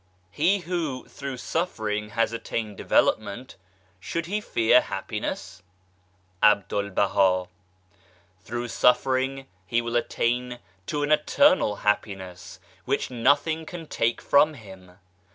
" He who through suffering has attained development, should he fear happiness ?" Abdul Baha. " Through suffering he will attain to an eternal happiness which nothing can take from him.